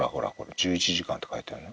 「１１時間」って書いてあるよ。